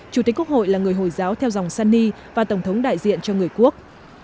chủ tịch quốc hội là người hồi giáo theo dòng sany và tổng thống đại diện cho người quốc